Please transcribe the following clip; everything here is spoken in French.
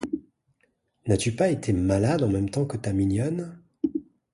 N’as-tu pas été malade en même temps que ta mignonne?